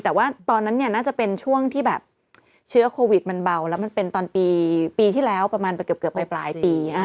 แต่ว่าตอนนั้นเนี่ยน่าจะเป็นช่วงที่แบบเชื้อโควิดมันเบาแล้วมันเป็นตอนปีที่แล้วประมาณเกือบไปปลายปี